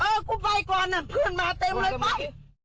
กูไปก่อนน่ะเพื่อนมาเต็มเลยไป